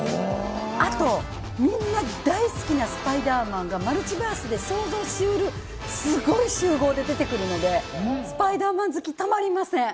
あとみんな大好きなスパイダーマンがマルチバースで想像しうる、すごい集合で出てくるので、スパイダーマン好き、たまりません！